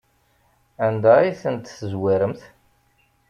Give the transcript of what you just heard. Anda ay ten-tezwaremt?